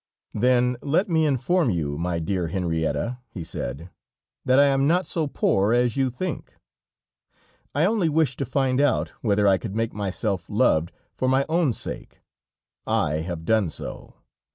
"Then let me inform you, my dear Henrietta," he said, "that I am not so poor as you think; I only wished to find out, whether I could make myself loved for my own sake, I have done so.